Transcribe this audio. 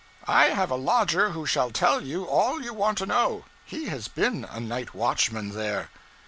I have a lodger who shall tell you all you want to know. He has been a night watchman there.'